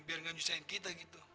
biar gak nyusahin kita gitu